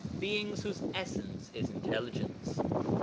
Beings whose essence is intelligence).